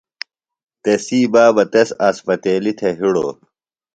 تسی بابہ تس اسپتیلیۡ تھےۡ ہڑوۡ۔